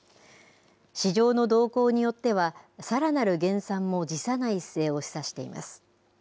市場の動向によっては、さらなる減産も辞さない姿勢を示唆しています。